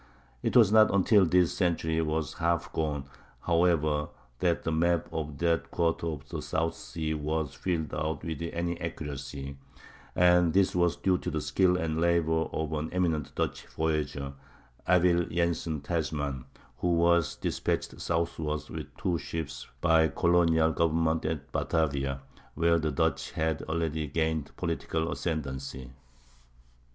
It was not until this century was half gone, however, that the map of that quarter of the "South Sea" was filled out with any accuracy; and this was due to the skill and labor of an eminent Dutch voyager, Abel Janszen Tasman, who was despatched southward with two ships by the colonial government at Batavia, where the Dutch had already gained political ascendancy.